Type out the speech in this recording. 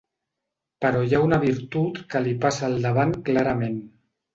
Però hi ha una virtut que li passa al davant clarament.